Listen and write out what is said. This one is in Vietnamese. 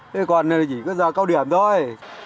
thế còn này chỉ có do cao điểm thôi